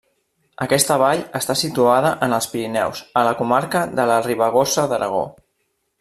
Aquesta vall està situada en els Pirineus, a la comarca de la Ribagorça d'Aragó.